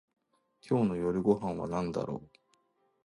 今日の夜ご飯はなんだろう